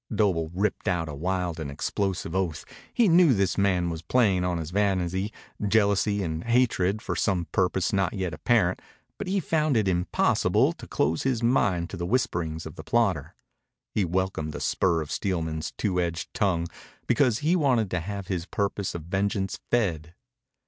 Doble ripped out a wild and explosive oath. He knew this man was playing on his vanity, jealousy, and hatred for some purpose not yet apparent, but he found it impossible to close his mind to the whisperings of the plotter. He welcomed the spur of Steelman's two edged tongue because he wanted to have his purpose of vengeance fed.